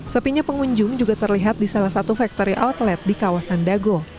sepinya pengunjung juga terlihat di salah satu factory outlet di kawasan dago